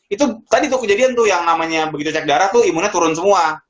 itu tadi tuh kejadian tuh yang namanya begitu cek darah tuh imunnya turun semua